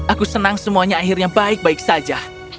aku senang semuanya akhirnya baik baik saja